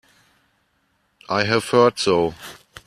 I have heard so.